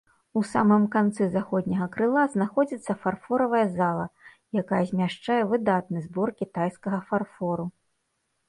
У самым канцы заходняга крыла знаходзіцца фарфоравая зала, якая змяшчае выдатны збор кітайскага фарфору.